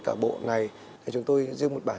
cả bộ này chúng tôi riêng một bản